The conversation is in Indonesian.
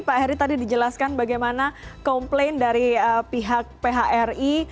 pak heri tadi dijelaskan bagaimana komplain dari pihak phri